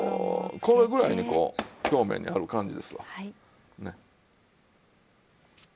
これぐらいにこう表面にある感じですわ。